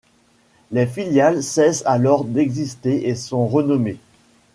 Les filiales cessent alors d'exister et sont renommées.